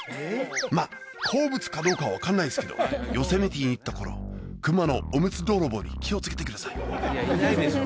まあ好物かどうかは分かんないですけどヨセミテに行った頃クマのおむつ泥棒に気をつけてくださいいやいないでしょ